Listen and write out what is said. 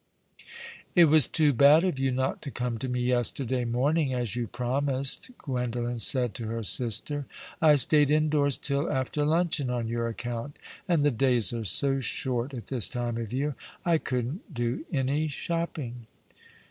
"It was too bad of you not to come to me yesterday morning, as you promised," Gwendolen said to her sister. " I stayed indoors till after luncheon on your account ; and the days are so short at this time of year. I couldn't do any shopping."